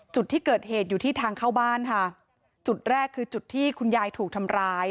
จุดที่เกิดเหตุอยู่ที่ทางเข้าบ้านค่ะจุดแรกคือจุดที่คุณยายถูกทำร้าย